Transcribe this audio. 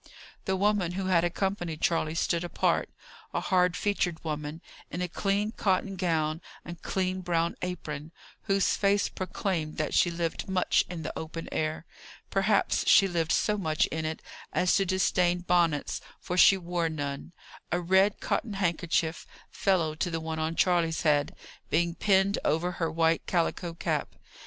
The woman who had accompanied Charley stood apart a hard featured woman, in a clean cotton gown, and clean brown apron, whose face proclaimed that she lived much in the open air. Perhaps she lived so much in it as to disdain bonnets, for she wore none a red cotton handkerchief, fellow to the one on Charley's head, being pinned over her white calico cap.